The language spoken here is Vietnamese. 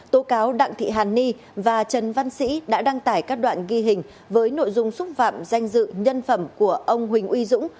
tố cáo đặng thị hàn ni và trần văn sĩ đã đăng tải các đoạn ghi hình với nội dung xúc phạm danh dự nhân phẩm của ông huỳnh uy dũng